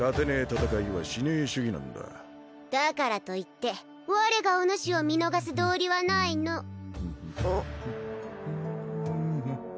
戦いはしねえ主義なんだだからといって我がおぬしを見逃す道理はないのううん？